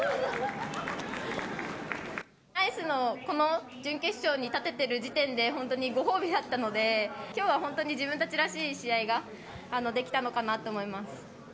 この準決勝に立てている時点で、本当にご褒美だったので、きょうは本当に自分たちらしい試合ができたのかなって思います。